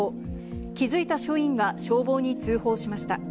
気付いた署員が消防に通報しました。